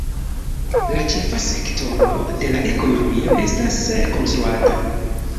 La ĉefa sektoro de la ekonomio estas konstruado.